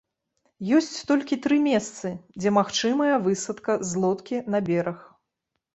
Ёсць толькі тры месцы, дзе магчымая высадка з лодкі на бераг.